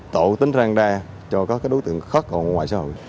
tổ tính ràng đa cho các đối tượng khác ở ngoài xã hội